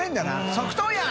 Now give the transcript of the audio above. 「即答やん！」